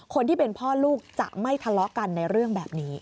คนที่เป็นพ่อลูกจะไม่ทะเลาะกันในเรื่องแบบนี้